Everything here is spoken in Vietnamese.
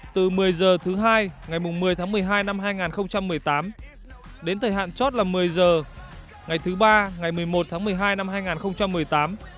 từ một mươi h thứ hai ngày một mươi tháng một mươi hai năm hai nghìn một mươi tám đến thời hạn chót là một mươi h ngày thứ ba ngày một mươi một tháng một mươi hai năm hai nghìn một mươi tám